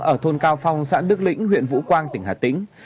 ở thôn cao phong xã đức lĩnh huyện vũ quang tỉnh hà tĩnh